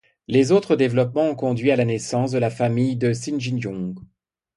Les autres développements ont conduit à la naissance de la famille de singijeon.